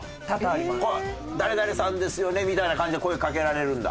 「誰々さんですよね？」みたいな感じで声かけられるんだ。